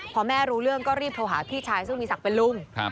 พอแม่รู้เรื่องก็รีบโทรหาพี่ชายซึ่งมีศักดิ์เป็นลุง